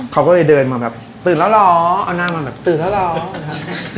เขาก็เลยเดินมาแบบตื่นแล้วเหรอเอาหน้ามาแบบตื่นแล้วเหรอ